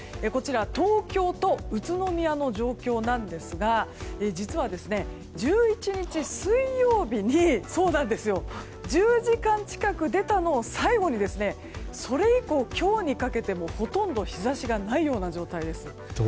東京と宇都宮の状況ですが実は、１１日の水曜日に１０時間近く出たのを最後にそれ以降、今日にかけてもほとんど日差しがないような状態です。